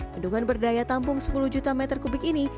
bendungan berdaya tampung sepuluh juta meter kubik ini